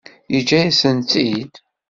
Yeǧǧa-yasent-tt-id?